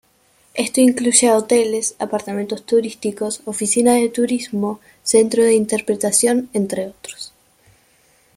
Esto incluye a hoteles, apartamentos turísticos, oficinas de turismo, centros de interpretación, entre otros.